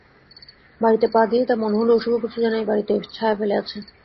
বাড়িতে পা দিয়েই তাঁর মনে হল অশুভ কিছু যেন এই বাড়িতে ছায়া ফেলে আছে।